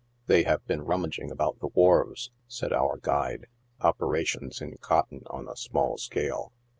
" They have been rummaging about the wharves/' said our guide j " operations in cotton on a small scale."